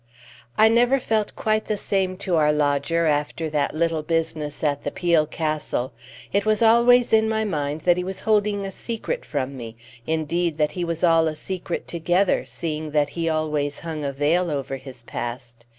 I never felt quite the same to our lodger after that little business at the Peel Castle. It was always in my mind that he was holding a secret from me indeed, that he was all a secret together, seeing that he always hung a veil over his past.